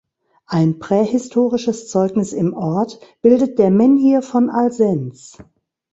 Ein prähistorisches Zeugnis im Ort bildet der Menhir von Alsenz.